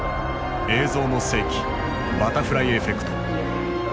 「映像の世紀バタフライエフェクト」。